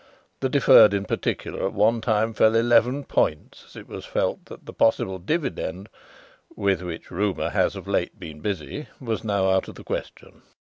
The Deferred in particular at one time fell eleven points as it was felt that the possible dividend, with which rumour has of late been busy, was now out of the question.'"